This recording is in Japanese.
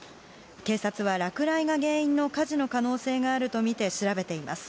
警察は落雷が原因の火事の可能性があると見て調べています。